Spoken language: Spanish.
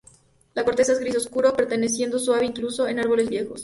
La corteza es gris oscuro, permaneciendo suave incluso en árboles viejos.